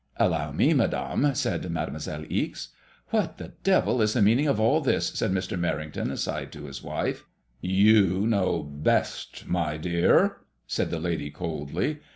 "Allow me, Madame," said Mademoiselle Ixe. " What the devil is the mean ing of all this?" said Mr. Merrington aside to his wife. 8fl MADSMOISBLLB VOL "You know best, my dear/* said that lady, coldly.